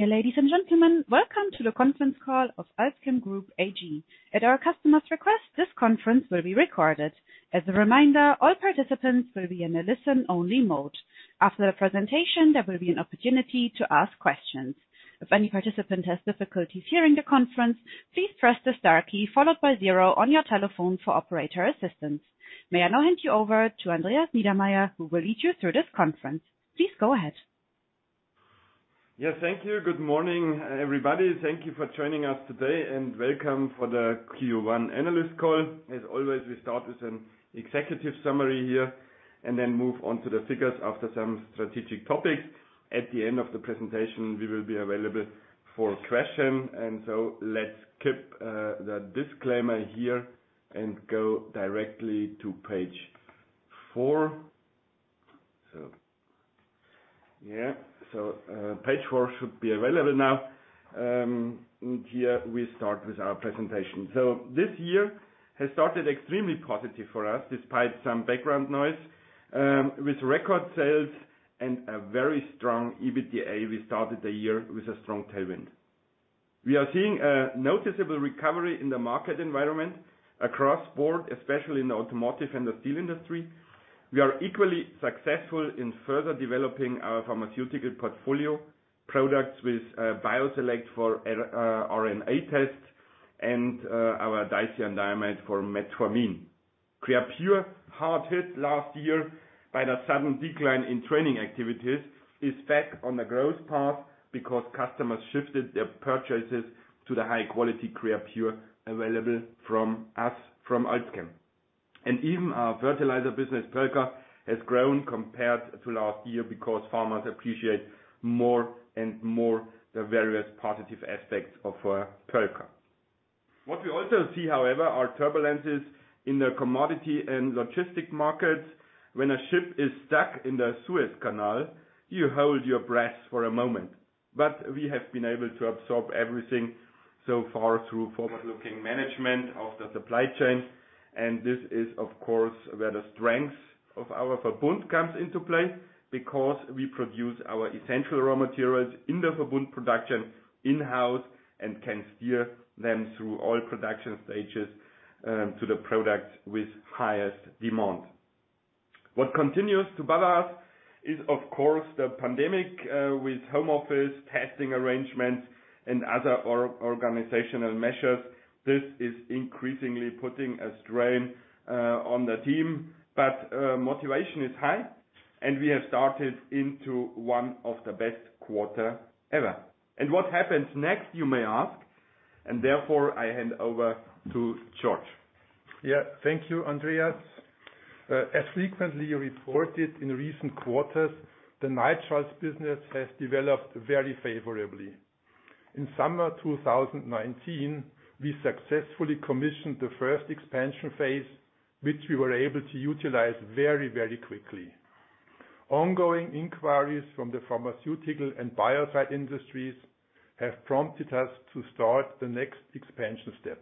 Ladies and gentlemen, welcome to the conference call of AlzChem Group AG. At our customer's request, this conference will be recorded. As a reminder, all participants will be in a listen-only mode. After the presentation, there will be an opportunity to ask questions. If any participant has difficulties hearing the conference, please press the star key followed by zero on your telephone for operator assistance. May I now hand you over to Andreas Niedermaier, who will lead you through this conference. Please go ahead. Yes, thank you. Good morning, everybody. Thank you for joining us today, and welcome for the Q1 analyst call. As always, we start with an executive summary here and then move on to the figures after some strategic topics. At the end of the presentation, we will be available for questions. Let's skip the disclaimer here and go directly to page four. Page four should be available now, and here we start with our presentation. This year has started extremely positive for us, despite some background noise, with record sales and a very strong EBITDA. We started the year with a strong tailwind. We are seeing a noticeable recovery in the market environment across board, especially in the automotive and the steel industry. We are equally successful in further developing our pharmaceutical portfolio products with Bioselect for RNA tests and our dicyandiamide for metformin. Creapure, hard hit last year by the sudden decline in training activities, is back on the growth path because customers shifted their purchases to the high-quality Creapure available from us, from AlzChem. Even our fertilizer business, PERLKA, has grown compared to last year because farmers appreciate more and more the various positive aspects of PERLKA. What we also see, however, are turbulences in the commodity and logistic markets. When a ship is stuck in the Suez Canal, you hold your breath for a moment, but we have been able to absorb everything so far through forward-looking management of the supply chain. This is, of course, where the strength of our Verbund comes into play because we produce our essential raw materials in the Verbund production in-house and can steer them through all production stages, to the product with highest demand. What continues to bother us is, of course, the pandemic, with home office, testing arrangements, and other organizational measures. This is increasingly putting a strain on the team, but motivation is high and we have started into one of the best quarter ever. What happens next, you may ask, and therefore I hand over to Georg. Yeah. Thank you, Andreas. As frequently reported in recent quarters, the nitriles business has developed very favorably. In summer 2019, we successfully commissioned the first expansion phase, which we were able to utilize very quickly. Ongoing inquiries from the pharmaceutical and biocide industries have prompted us to start the next expansion step.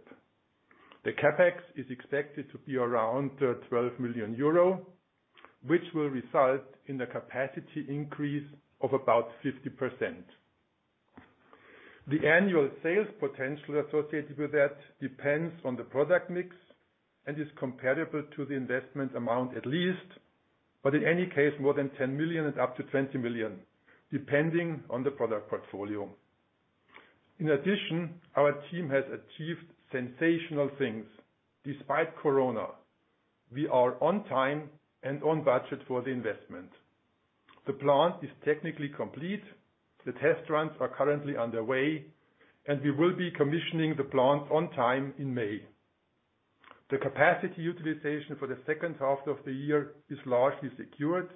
The CapEx is expected to be around 12 million euro, which will result in a capacity increase of about 50%. The annual sales potential associated with that depends on the product mix and is comparable to the investment amount at least, but in any case, more than 10 million and up to 20 million, depending on the product portfolio. In addition, our team has achieved sensational things despite corona. We are on time and on budget for the investment. The plant is technically complete. The test runs are currently underway, and we will be commissioning the plant on time in May. The capacity utilization for the second half of the year is largely secured,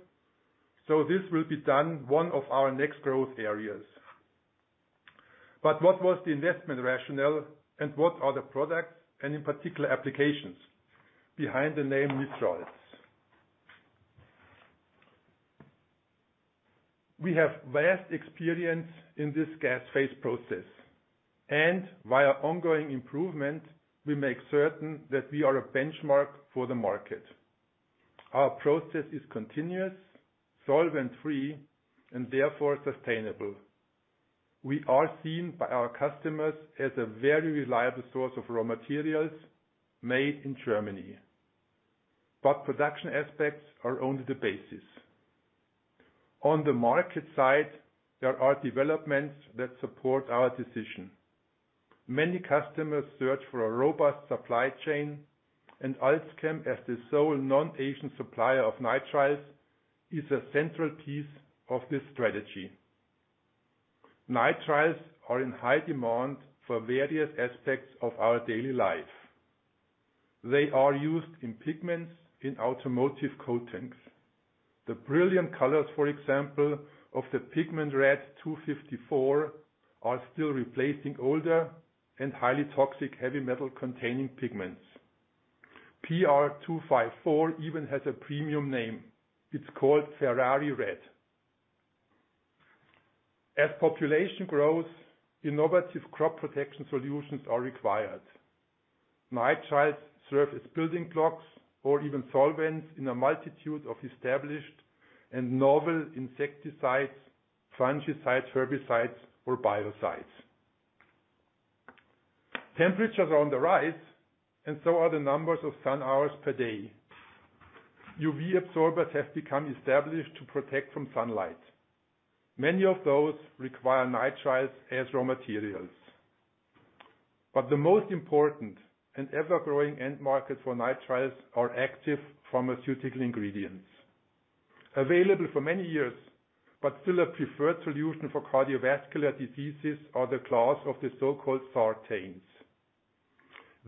so this will be done one of our next growth areas. What was the investment rationale and what are the products and in particular applications behind the name nitriles? We have vast experience in this gas phase process, and via ongoing improvement, we make certain that we are a benchmark for the market. Our process is continuous, solvent-free, and therefore sustainable. We are seen by our customers as a very reliable source of raw materials made in Germany. Production aspects are only the basis. On the market side, there are developments that support our decision. Many customers search for a robust supply chain, and AlzChem, as the sole non-Asian supplier of nitriles, is a central piece of this strategy. Nitriles are in high demand for various aspects of our daily life. They are used in pigments in automotive coatings. The brilliant colors, for example, of the Pigment Red 254 are still replacing older and highly toxic heavy metal-containing pigments. PR254 even has a premium name. It's called Ferrari Red. As population grows, innovative crop protection solutions are required. Nitriles serve as building blocks or even solvents in a multitude of established and novel insecticides, fungicides, herbicides, or biocides. Temperatures are on the rise, and so are the numbers of sun hours per day. UV absorbers have become established to protect from sunlight. Many of those require nitriles as raw materials. The most important and ever-growing end market for nitriles are active pharmaceutical ingredients. Available for many years, but still a preferred solution for cardiovascular diseases are the class of the so-called sartans.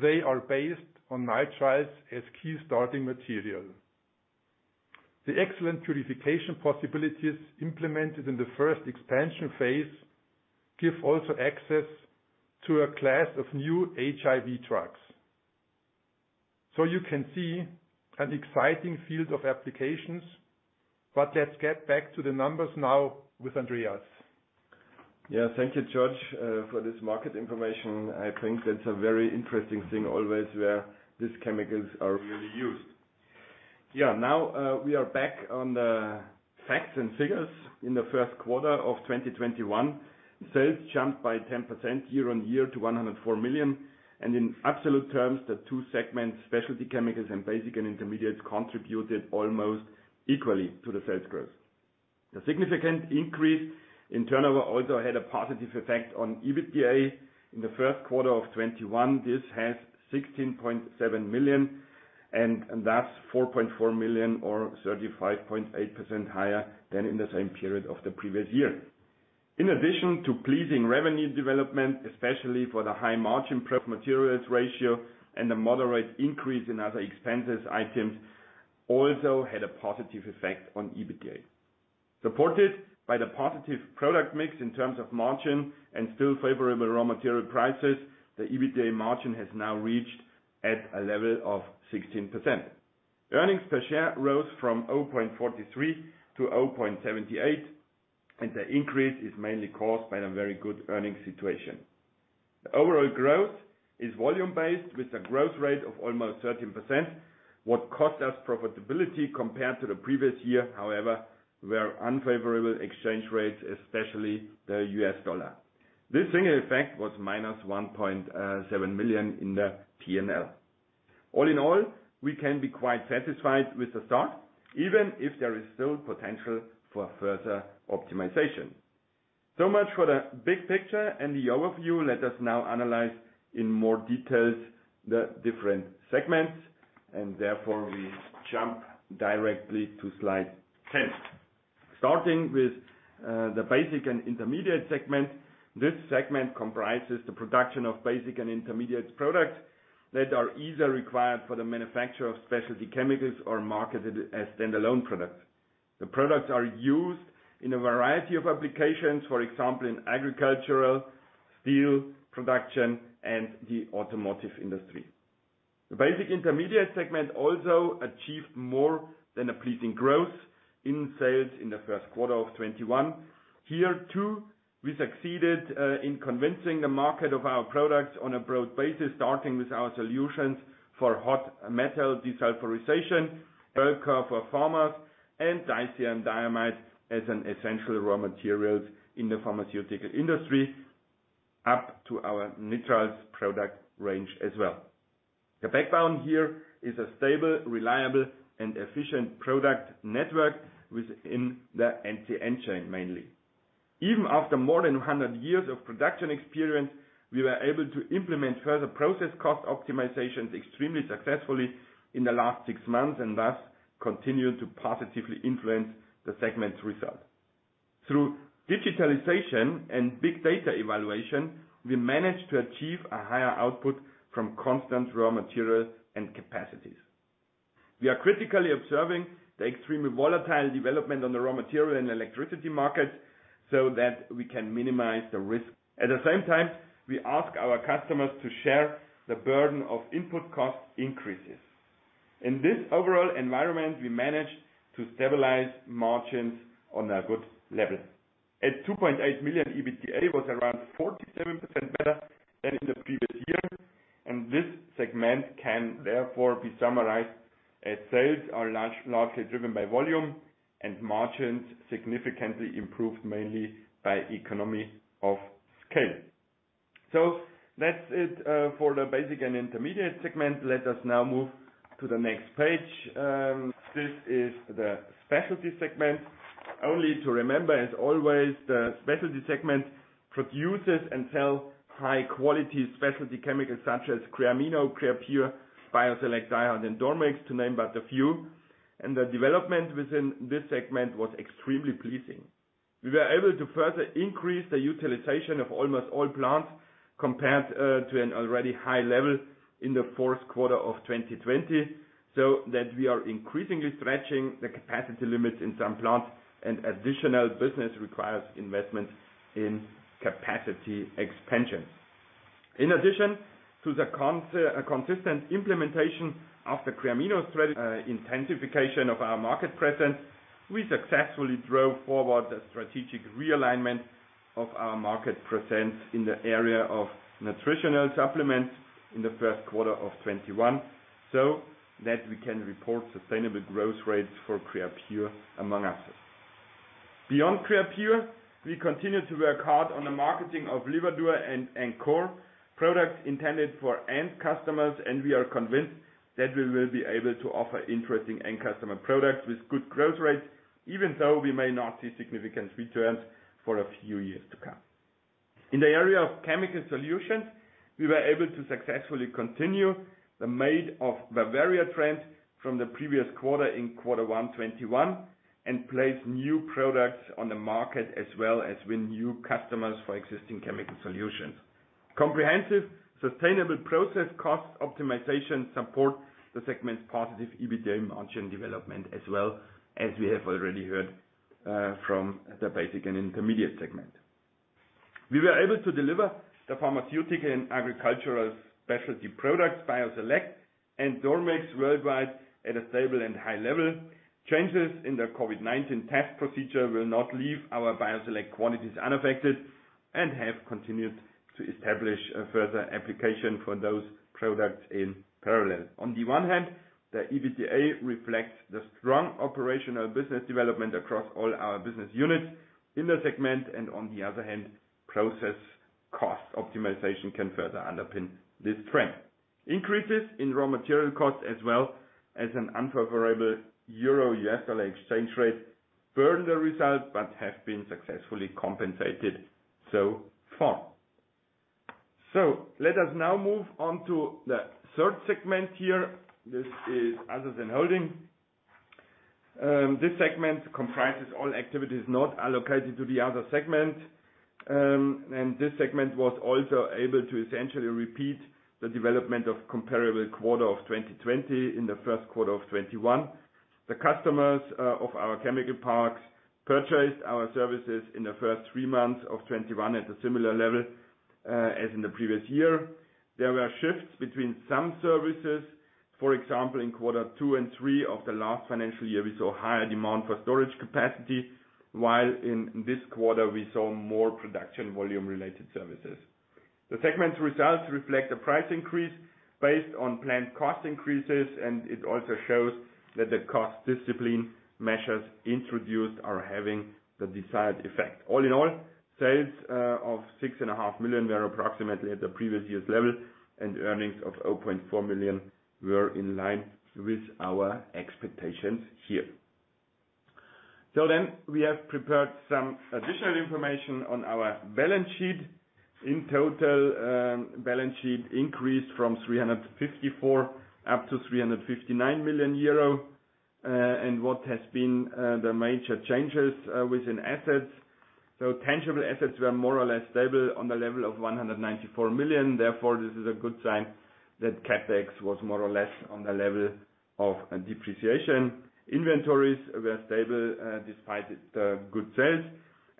They are based on nitriles as key starting material. The excellent purification possibilities implemented in the first expansion phase give also access to a class of new HIV drugs. You can see an exciting field of applications, but let's get back to the numbers now with Andreas. Thank you, Georg, for this market information. I think that's a very interesting thing always where these chemicals are really used. Now, we are back on the facts and figures. In the first quarter of 2021, sales jumped by 10% year-on-year to 104 million, and in absolute terms, the two segments, specialty chemicals and basic and intermediate, contributed almost equally to the sales growth. The significant increase in turnover also had a positive effect on EBITDA. In the first quarter of 2021, this has 16.7 million, and that's 4.4 million or 35.8% higher than in the same period of the previous year. In addition to pleasing revenue development, especially for the high margin pro forma materials ratio and the moderate increase in other expenses items also had a positive effect on EBITDA. Supported by the positive product mix in terms of margin and still favorable raw material prices, the EBITDA margin has now reached at a level of 16%. Earnings per share rose from 0.43-0.78, and the increase is mainly caused by the very good earnings situation. The overall growth is volume-based with a growth rate of almost 13%, what cost us profitability compared to the previous year, however, were unfavorable exchange rates, especially the US dollar. This single effect was -1.7 million in the P&L. All in all, we can be quite satisfied with the start, even if there is still potential for further optimization. Much for the big picture and the overview. Let us now analyze in more details the different segments, and therefore, we jump directly to slide 10. Starting with the basic and intermediate segment, this segment comprises the production of basic and intermediate products that are either required for the manufacture of specialty chemicals or marketed as stand-alone products. The products are used in a variety of applications, for example, in agricultural, steel production, and the automotive industry. The basic intermediate segment also achieved more than a pleasing growth in sales in the first quarter of 2021. Here, too, we succeeded in convincing the market of our products on a broad basis, starting with our solutions for hot metal desulfurization, Perlka for farmers, and dicyandiamide as an essential raw material in the pharmaceutical industry, up to our nitriles product range as well. The backbone here is a stable, reliable, and efficient product network within the NCN chain, mainly. Even after more than 100 years of production experience, we were able to implement further process cost optimizations extremely successfully in the last six months and thus continued to positively influence the segment's result. Through digitalization and big data evaluation, we managed to achieve a higher output from constant raw materials and capacities. We are critically observing the extremely volatile development on the raw material and electricity markets so that we can minimize the risk. At the same time, we ask our customers to share the burden of input cost increases. In this overall environment, we managed to stabilize margins on a good level. At 2.8 million, EBITDA was around 47% better than in the previous year, and this segment can therefore be summarized as sales are largely driven by volume and margins significantly improved mainly by economy of scale. That's it for the basic and intermediate segment. Let us now move to the next page. This is the Specialty segment. Only to remember, as always, the Specialty segment produces and sell high-quality specialty chemicals such as Creamino, Creapure, Bioselect, DYHARD, and Dormex, to name but a few. The development within this segment was extremely pleasing. We were able to further increase the utilization of almost all plants compared to an already high level in the fourth quarter of 2020, so that we are increasingly stretching the capacity limits in some plants, and additional business requires investment in capacity expansion. In addition to the consistent implementation of the Creamino strategy, intensification of our market presence, we successfully drove forward the strategic realignment of our market presence in the area of nutritional supplements in the first quarter of 2021, so that we can report sustainable growth rates for Creapure among others. Beyond Creapure, we continue to work hard on the marketing of LIVADUR and ENCORE, products intended for end customers. We are convinced that we will be able to offer interesting end customer products with good growth rates, even though we may not see significant returns for a few years to come. In the area of chemical solutions, we were able to successfully continue the "Made in Bavaria" trend from the previous quarter in quarter one 2021 and place new products on the market as well as win new customers for existing chemical solutions. Comprehensive, sustainable process cost optimization support the segment's positive EBITDA margin development as well, as we have already heard from the basic and intermediate segment. We were able to deliver the pharmaceutical and agricultural specialty products, Bioselect and Dormex worldwide at a stable and high level. Changes in the COVID-19 test procedure will not leave our Bioselect quantities unaffected and have continued to establish a further application for those products in parallel. On the one hand, the EBITDA reflects the strong operational business development across all our business units in the segment, and on the other hand, process cost optimization can further underpin this trend. Increases in raw material costs as well as an unfavorable EUR-USD exchange rate burn the result, but have been successfully compensated so far. Let us now move on to the third segment here. This is other than holding. This segment comprises all activities not allocated to the other segment, and this segment was also able to essentially repeat the development of comparable quarter of 2020 in the first quarter of 2021. The customers of our chemical parks purchased our services in the first three months of 2021 at a similar level as in the previous year. There were shifts between some services. For example, in quarter two and three of the last financial year, we saw higher demand for storage capacity, while in this quarter we saw more production volume-related services. The segment's results reflect a price increase based on planned cost increases, and it also shows that the cost discipline measures introduced are having the desired effect. All in all, sales of 6.5 million were approximately at the previous year's level, and earnings of 0.4 million were in line with our expectations here. We have prepared some additional information on our balance sheet. In total, balance sheet increased from 354 million up to 359 million euro, and what has been the major changes within assets? Tangible assets were more or less stable on the level of 194 million. Therefore, this is a good sign that CapEx was more or less on the level of depreciation. Inventories were stable despite the good sales.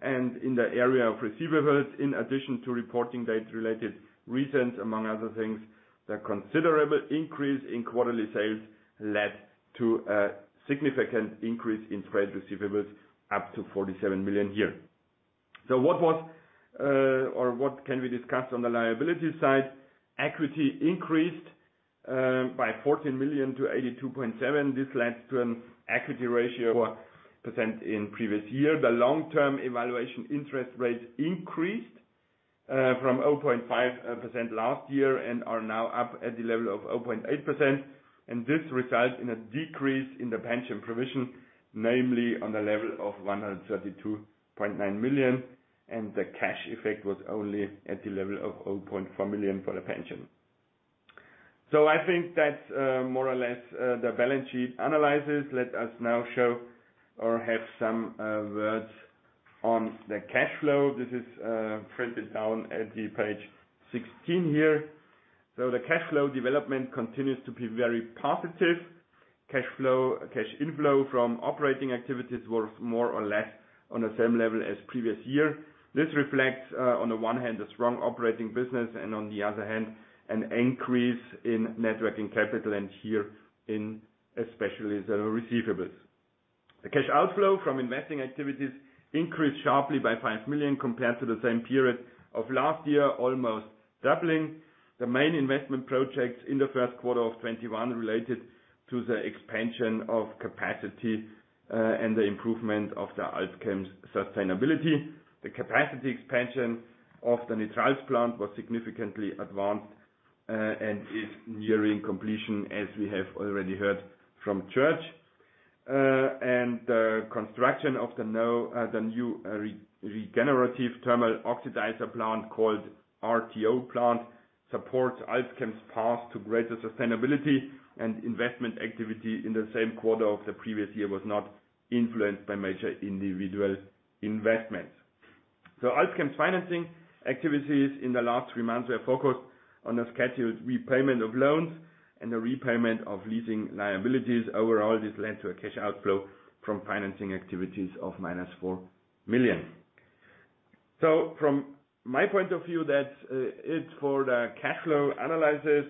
In the area of receivables, in addition to reporting date-related reasons, among other things, the considerable increase in quarterly sales led to a significant increase in trade receivables, up to 47 million a year. What can we discuss on the liability side? Equity increased by 14 million to 82.7. This led to an equity ratio of 4% in previous year. The long-term evaluation interest rates increased from 0.5% last year and are now up at the level of 0.8%. This results in a decrease in the pension provision, namely on the level of 132.9 million. The cash effect was only at the level of 0.4 million for the pension. I think that's more or less the balance sheet analysis. Let us now show or have some words on the cash flow. This is printed down at the page 16 here. The cash flow development continues to be very positive. Cash inflow from operating activities was more or less on the same level as previous year. This reflects, on the one hand, a strong operating business and, on the other hand, an increase in net working capital and here in especially the receivables. The cash outflow from investing activities increased sharply by 5 million compared to the same period of last year, almost doubling. The main investment projects in the first quarter of 2021 related to the expansion of capacity and the improvement of AlzChem's sustainability. The capacity expansion of the nitriles plant was significantly advanced and is nearing completion, as we have already heard from Georg. The construction of the new regenerative thermal oxidizer plant called RTO plant supports AlzChem's path to greater sustainability, and investment activity in the same quarter of the previous year was not influenced by major individual investments. AlzChem's financing activities in the last three months were focused on a scheduled repayment of loans and a repayment of leasing liabilities. Overall, this led to a cash outflow from financing activities of minus 4 million. From my point of view, that's it for the cash flow analysis.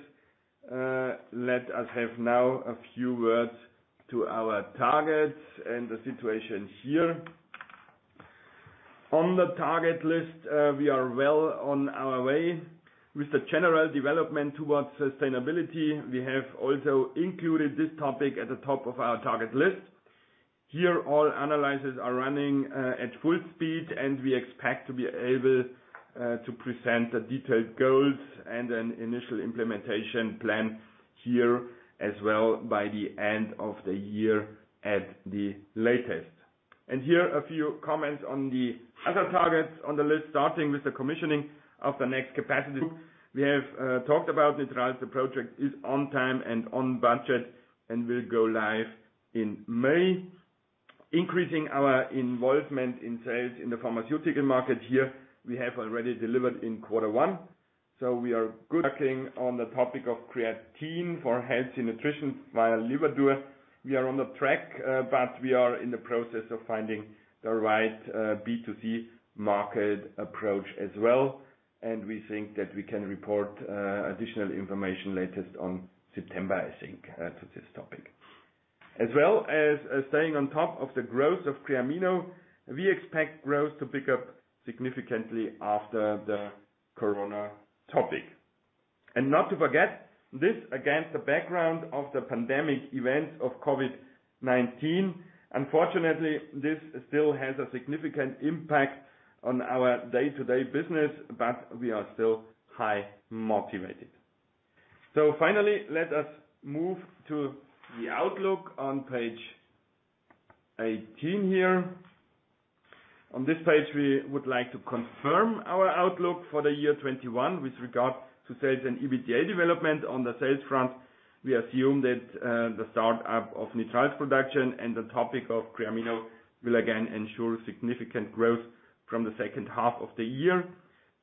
Let us have now a few words to our targets and the situation here. On the target list, we are well on our way with the general development towards sustainability. We have also included this topic at the top of our target list. Here, all analyses are running at full speed, and we expect to be able to present the detailed goals and an initial implementation plan here as well by the end of the year at the latest. Here a few comments on the other targets on the list, starting with the commissioning of the next capacity. We have talked about nitriles. The project is on time and on budget and will go live in May. Increasing our involvement in sales in the pharmaceutical market here, we have already delivered in quarter one. We are good. Working on the topic of creatine for healthy nutrition via LIVADUR. We are on the track. We are in the process of finding the right B2C market approach as well. We think that we can report additional information latest on September, I think, to this topic. As well as staying on top of the growth of Creamino, we expect growth to pick up significantly after the corona topic. Not to forget this, against the background of the pandemic events of COVID-19. Unfortunately, this still has a significant impact on our day-to-day business. We are still high motivated. Finally, let us move to the outlook on page 18 here. On this page, we would like to confirm our outlook for the year 2021 with regard to sales and EBITDA development. On the sales front, we assume that the start-up of NITRALZ production and the topic of Creamino will again ensure significant growth from the second half of the year.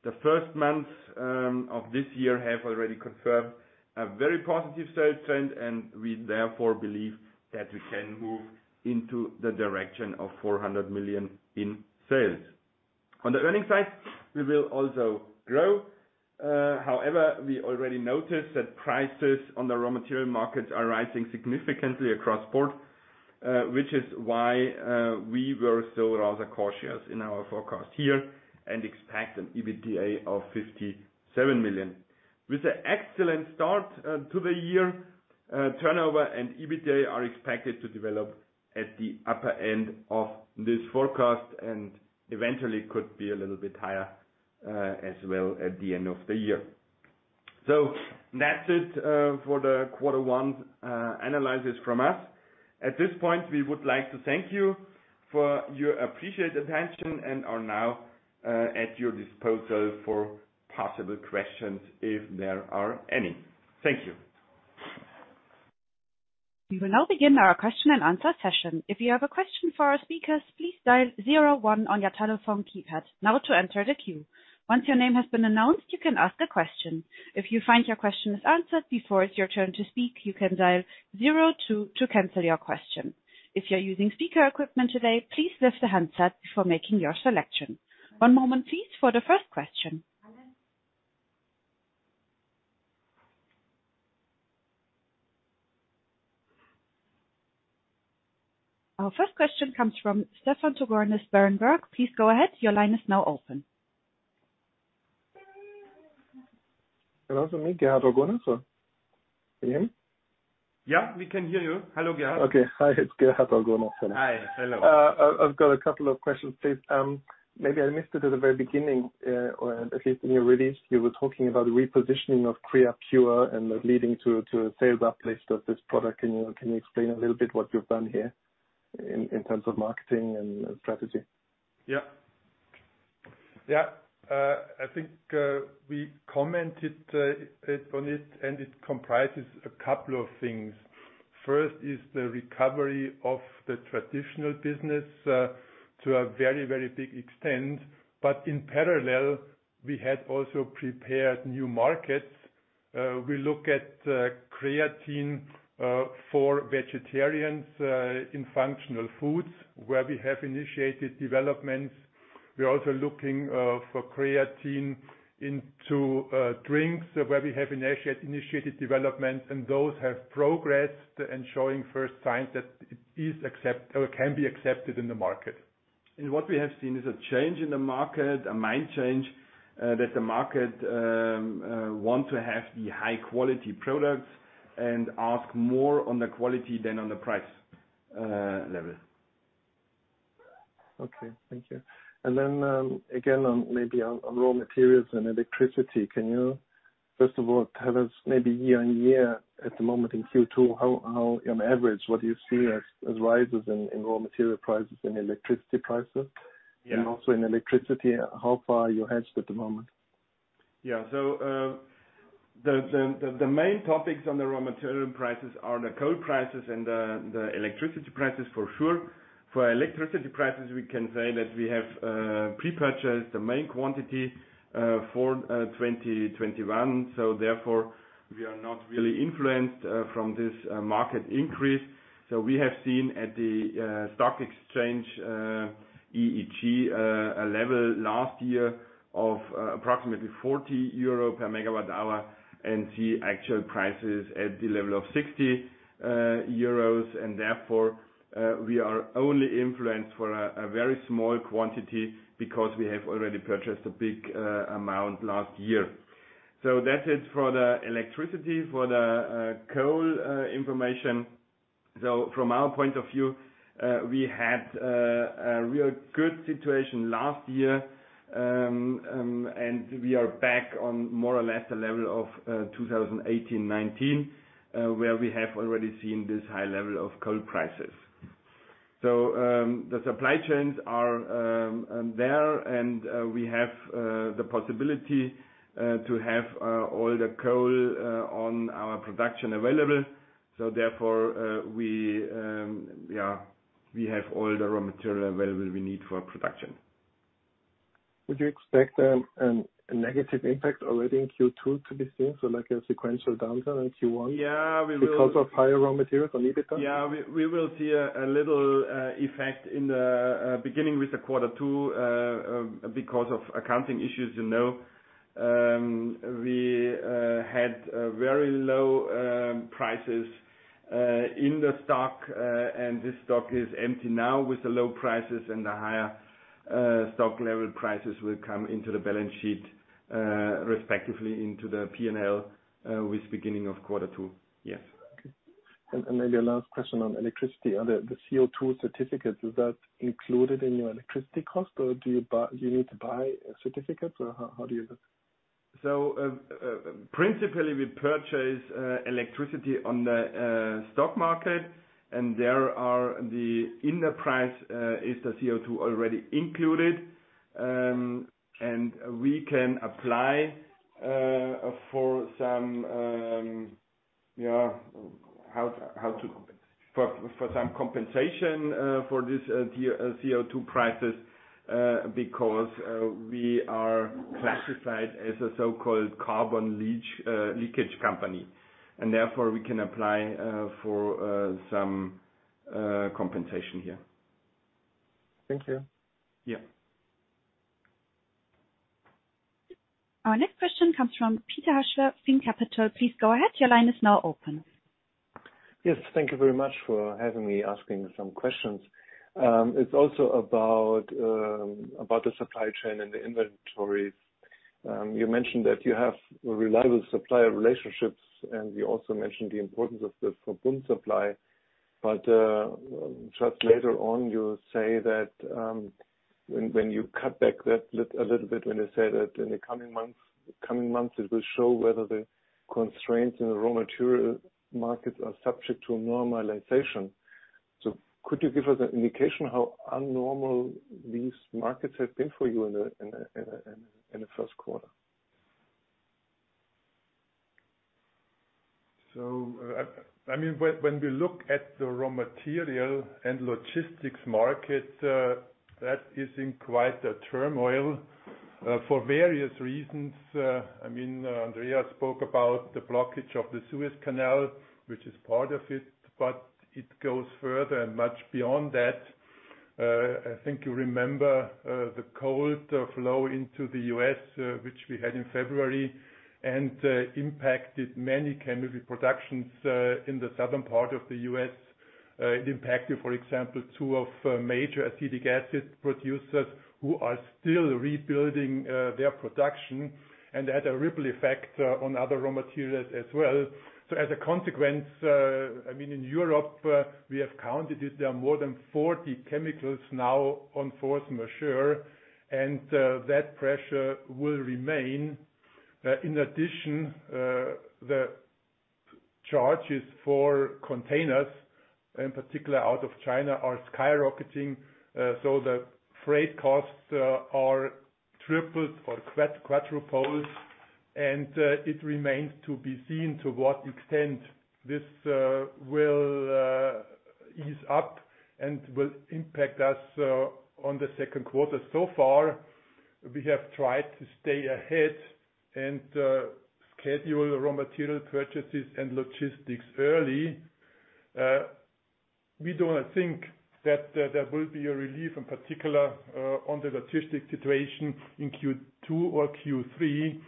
The first months of this year have already confirmed a very positive sales trend, and we therefore believe that we can move into the direction of 400 million in sales. On the earnings side, we will also grow. However, we already noticed that prices on the raw material markets are rising significantly across board, which is why we were still rather cautious in our forecast here and expect an EBITDA of 57 million. With the excellent start to the year, turnover and EBITDA are expected to develop at the upper end of this forecast, and eventually could be a little bit higher, as well, at the end of the year. That's it for the quarter one analysis from us. At this point, we would like to thank you for your appreciated attention and are now at your disposal for possible questions if there are any. Thank you. We will now begin our question and answer session. If you have a question for our speakers, please dial zero one on your telephone keypad now to enter the queue. Once your name has been announced, you can ask a question. If you find your question is answered before it's your turn to speak, you can dial zero two to cancel your question. If you're using speaker equipment today, please lift the handset before making your selection. One moment please for the first question. Our first question comes from Gerhard Orgonas, Berenberg. Please go ahead. Your line is now open. Hello. Is it me, Gerhard Orgonas? Can you hear me? Yeah, we can hear you. Hello, Gerhard. Okay. Hi, it's Gerhard Orgonas. Hello. Hi. Hello. I've got a couple of questions, please. Maybe I missed it at the very beginning, or at least in your release, you were talking about the repositioning of Creapure and leading to a sales uplift of this product. Can you explain a little bit what you've done here in terms of marketing and strategy? Yeah. I think, we commented on it. It comprises a couple of things. First is the recovery of the traditional business to a very, very big extent. In parallel, we had also prepared new markets. We look at creatine for vegetarians in functional foods where we have initiated developments. We're also looking for creatine into drinks where we have initiated developments. Those have progressed and showing first signs that it can be accepted in the market. What we have seen is a change in the market, a mind change, that the market want to have the high-quality products and ask more on the quality than on the price level. Okay. Thank you. Again, on maybe on raw materials and electricity. Can you first of all tell us maybe year-on-year at the moment in Q2, how on average, what you see as rises in raw material prices and electricity prices? Yeah. Also in electricity, how far are you hedged at the moment? Yeah. The main topics on the raw material prices are the coal prices and the electricity prices for sure. For electricity prices, we can say that we have pre-purchased the main quantity for 2021. Therefore, we are not really influenced from this market increase. We have seen at the stock exchange, EEX, a level last year of approximately 40 euro per megawatt hour and see actual prices at the level of 60 euros. Therefore, we are only influenced for a very small quantity because we have already purchased a big amount last year. That is for the electricity. For the coal information, from our point of view, we had a real good situation last year. We are back on more or less the level of 2018-2019, where we have already seen this high level of coal prices. The supply chains are there and we have the possibility to have all the coal on our production available. Therefore, we have all the raw material available we need for production. Would you expect a negative impact already in Q2 to be seen, like a sequential downturn in Q1? Yeah. Because of higher raw materials on EBITDA? Yeah. We will see a little effect in the beginning with the quarter two, because of accounting issues. We had very low prices in the stock, and this stock is empty now with the low prices and the higher stock level prices will come into the balance sheet, respectively into the P&L, with beginning of quarter two. Yes. Okay. Maybe a last question on electricity. The CO2 certificates, is that included in your electricity cost, or do you need to buy certificates? How do you do it? Principally, we purchase electricity on the stock market, in the price is the CO2 already included. We can apply for some compensation for this CO2 prices, because we are classified as a so-called carbon leakage company. Therefore, we can apply for some compensation here. Thank you. Yeah. Our next question comes from Peter-Thilo Hasler, Sphene Capital GmbH. Please go ahead. Your line is now open. Yes. Thank you very much for having me asking some questions. It's also about the supply chain and the inventories. You mentioned that you have reliable supplier relationships, and you also mentioned the importance of the Verbund supply. Just later on, you say that when you cut back that a little bit, when you say that in the coming months it will show whether the constraints in the raw material markets are subject to normalization. Could you give us an indication how unnormal these markets have been for you in the first quarter? When we look at the raw material and logistics market, that is in quite a turmoil, for various reasons. Andreas spoke about the blockage of the Suez Canal, which is part of it, but it goes further and much beyond that. I think you remember the cold flow into the U.S., which we had in February, and impacted many chemical productions, in the southern part of the U.S. It impacted, for example, two of major acetic acid producers who are still rebuilding their production and had a ripple effect on other raw materials as well. As a consequence, in Europe, we have counted it, there are more than 40 chemicals now on force majeure, and that pressure will remain. In addition, the charges for containers, in particular out of China, are skyrocketing. The freight costs are tripled or quadrupled, and it remains to be seen to what extent this will ease up and will impact us on the second quarter. So far, we have tried to stay ahead and schedule raw material purchases and logistics early. We do not think that there will be a relief, in particular, on the logistics situation in Q2 or Q3.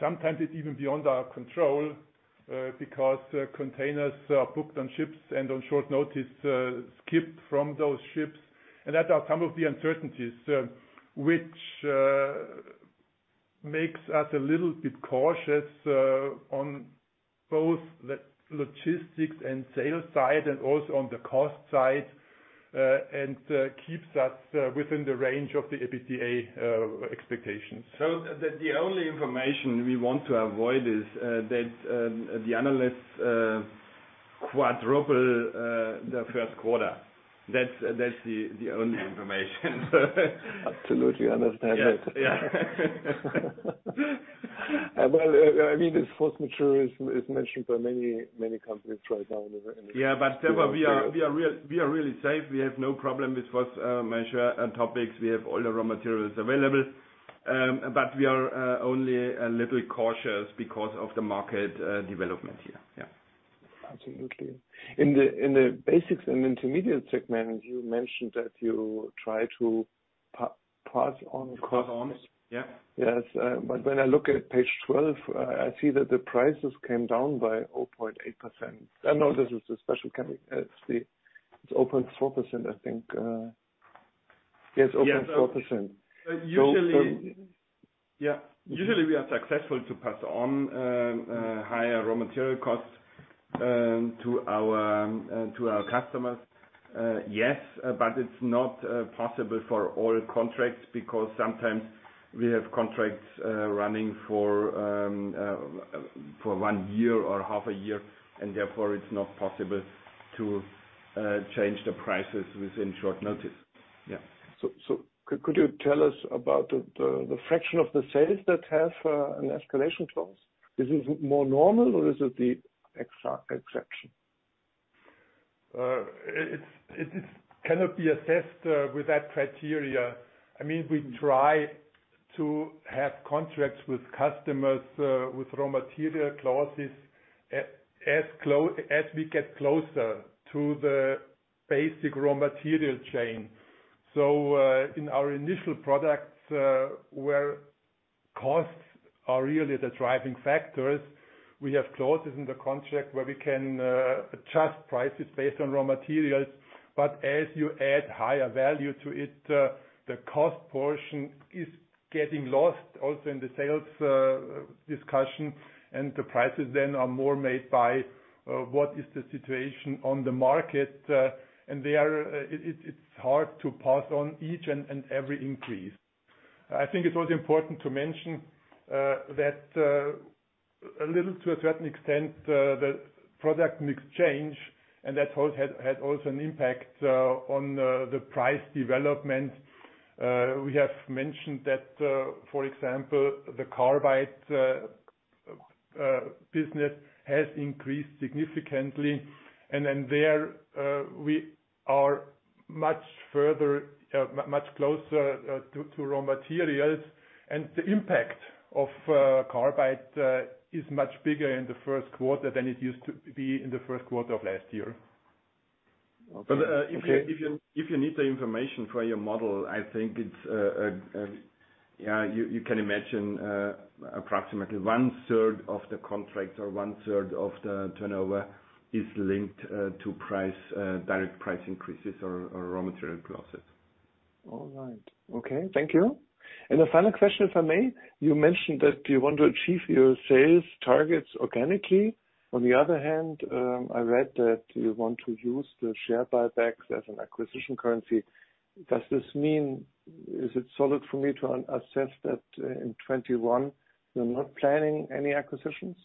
Sometimes it's even beyond our control, because containers are booked on ships and on short notice, skip from those ships. That are some of the uncertainties, which makes us a little bit cautious, on both the logistics and sales side and also on the cost side, and keeps us within the range of the EBITDA expectations. The only information we want to avoid is that the analysts quadruple the first quarter. That's the only information. Absolutely understand that. Yeah. Well, this force majeure is mentioned by many companies right now. Still we are really safe. We have no problem with force majeure topics. We have all the raw materials available. We are only a little cautious because of the market development here. Absolutely. In the basics and intermediate segment, you mentioned that you try to pass on cost- Pass on. Yeah. Yes. When I look at page 12, I see that the prices came down by 0.8%. No, this is the special chemical. It's 0.4%, I think. Yes, 0.4%. Usually we are successful to pass on higher raw material costs to our customers. Yes, it's not possible for all contracts because sometimes we have contracts running for one year or half a year, therefore it's not possible to change the prices within short notice. Could you tell us about the fraction of the sales that have an escalation clause? Is it more normal or is it the exception? It cannot be assessed with that criteria. We try to have contracts with customers, with raw material clauses, as we get closer to the basic raw material chain. In our initial products, where costs are really the driving factors, we have clauses in the contract where we can adjust prices based on raw materials. As you add higher value to it, the cost portion is getting lost also in the sales discussion. The prices then are more made by what is the situation on the market. It's hard to pass on each and every increase. I think it's also important to mention that a little to a certain extent, the product mix change, and that has also an impact on the price development. We have mentioned that, for example, the carbide business has increased significantly. There, we are much closer to raw materials. The impact of carbide is much bigger in the first quarter than it used to be in the first quarter of last year. Okay. If you need the information for your model, I think you can imagine approximately one-third of the contracts or one-third of the turnover is linked to direct price increases or raw material clauses. All right. Okay. Thank you. A final question from me. You mentioned that you want to achieve your sales targets organically. On the other hand, I read that you want to use the share buybacks as an acquisition currency. Does this mean, is it solid for me to assess that in 2021, you're not planning any acquisitions?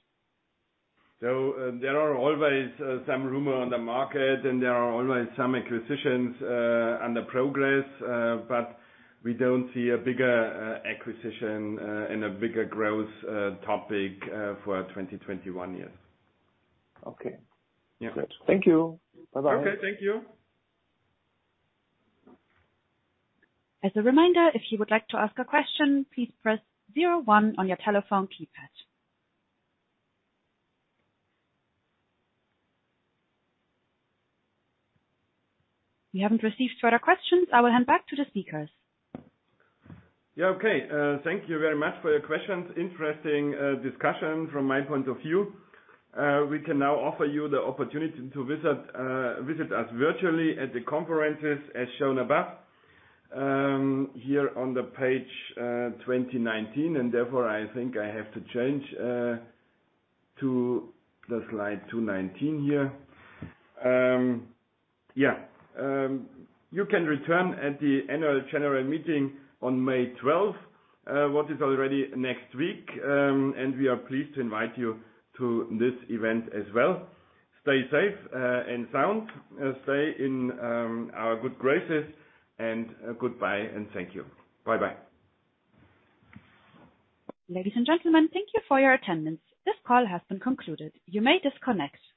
There are always some rumors on the market, and there are always some acquisitions under progress. We don't see a bigger acquisition and a bigger growth topic for 2021 years. Okay. Yeah. Great. Thank you. Bye-bye. Okay, thank you. As a reminder, if you would like to ask a question, please press zero one on your telephone keypad. We haven't received further questions. I will hand back to the speakers. Okay. Thank you very much for your questions. Interesting discussion from my point of view. We can now offer you the opportunity to visit us virtually at the conferences as shown above here on the page 2019. Therefore, I think I have to change to the slide 219 here. You can return at the annual general meeting on May 12th, what is already next week. We are pleased to invite you to this event as well. Stay safe and sound. Stay in our good graces, and goodbye, and thank you. Bye-bye. Ladies and gentlemen, thank you for your attendance. This call has been concluded. You may disconnect.